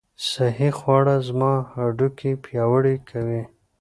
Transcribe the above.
صحي خواړه زما هډوکي پیاوړي کوي.